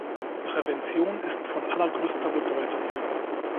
Prävention ist von allergrößter Bedeutung.